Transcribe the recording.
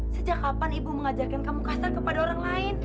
sejak kapan ibu mengajarkan kamu kasar kepada orang lain